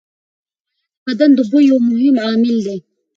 خوله د بدن د بوی یو مهم عامل دی.